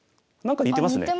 あっ似てますね。